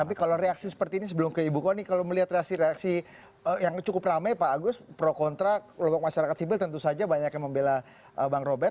tapi kalau reaksi seperti ini sebelum ke ibu kony kalau melihat reaksi reaksi yang cukup ramai pak agus pro kontra kelompok masyarakat sipil tentu saja banyak yang membela bang robert